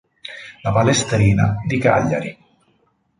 Da Palestrina” di Cagliari.